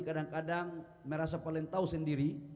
kadang kadang merasa pelentau sendiri